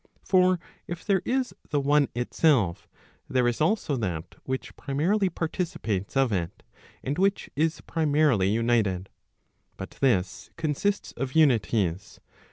For if there is the one itself, there is also that which primarily participates of it, and which is primarily united. But this consists of unities.